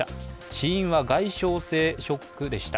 死因は外傷性ショックでした。